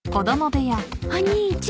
お兄ちゃん。